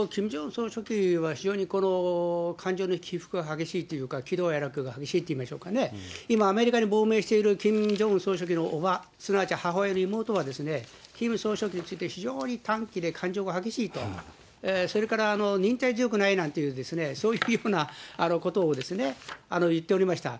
総書記は非常に感情の起伏が激しいというか、喜怒哀楽が激しいといいましょうか、今、アメリカに亡命しているキム・ジョンウン総書記の叔母、すなわち母親の妹は、キム総書記について、非常に短気で感情が激しいと、それから忍耐強くないなんていう、そういうようなことを言っておりました。